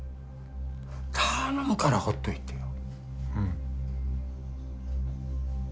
頼むからほっといてよ。